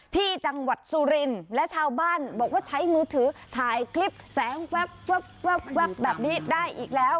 ที่จังหวัดสุรินทร์และชาวบ้านบอกว่าใช้มือถือถ่ายคลิปแสงแว๊บแบบนี้ได้อีกแล้ว